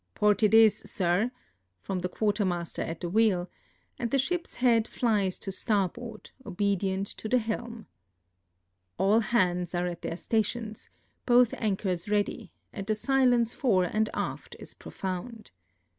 " Port it is, sir !" from the quartermaster at the wheel, and the ship's head flies to starboard, obedient to the helm. All hands are at their stations, both anchors ready, and the silence fore and aft is profound.